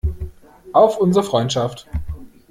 Auf unsere Freundschaft!